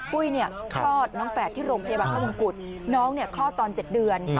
ปุ้ยคลอดน้องแฝดที่โรงพยาบาลพระมงกุฎน้องคลอดตอน๗เดือน